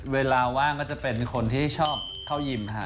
เวลาว่างก็จะเป็นคนที่ชอบเข้ายิมค่ะ